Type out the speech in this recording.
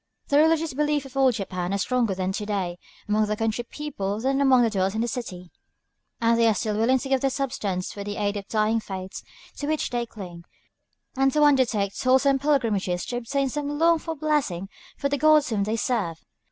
The religious beliefs of old Japan are stronger to day among the country people than among the dwellers in cities. And they are still willing to give of their substance for the aid of the dying faiths to which they cling, and to undertake toilsome pilgrimages to obtain some longed for blessing from the gods whom they serve.